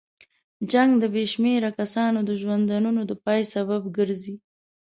جنګ د بې شمېره کسانو د ژوندونو د پای سبب ګرځي.